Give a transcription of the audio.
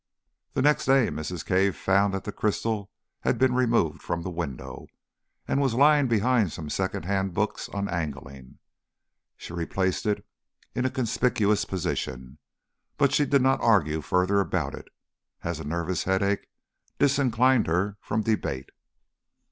The next day Mrs. Cave found that the crystal had been removed from the window, and was lying behind some second hand books on angling. She replaced it in a conspicuous position. But she did not argue further about it, as a nervous headache disinclined her from debate.